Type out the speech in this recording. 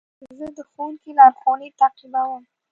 زه د ښوونکي لارښوونې تعقیبوم.